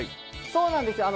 そうなんです。